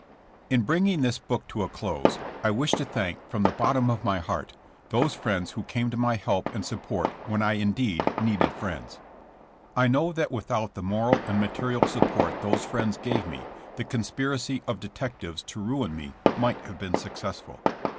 nN bringing this book to a close, 1 wish to thank, from the bottom of my heart, those friends who came to my help and support when indeed I needed friends. I know that without the moral and material support those friends gave me the con spiracy of detectives to ruin me might have been successful.